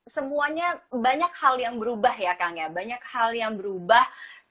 semuanya banyak hal yang berubah ya kang ya banyak hal yang berubah